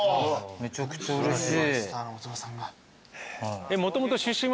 めちゃくちゃうれしい。